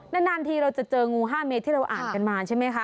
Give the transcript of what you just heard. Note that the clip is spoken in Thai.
นานทีเราจะเจองู๕เมตรที่เราอ่านกันมาใช่ไหมคะ